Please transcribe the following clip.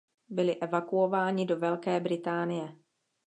Byli evakuováni do Velké Británie.